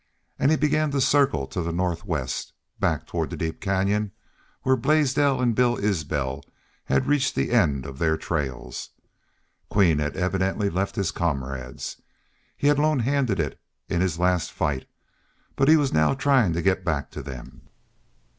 And he began to circle to the northwest, back toward the deep canyon where Blaisdell and Bill Isbel had reached the end of their trails. Queen had evidently left his comrades, had lone handed it in his last fight, but was now trying to get back to them.